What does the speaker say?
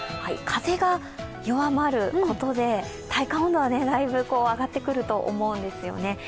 風が弱まることで、体感温度はだいぶ上がってくると思うんです。